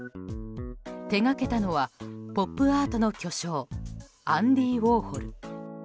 手がけたのはポップアートの巨匠アンディ・ウォーホル。